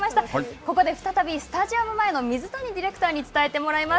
ここで再びスタジアム前の水谷ディレクターに伝えてもらいます。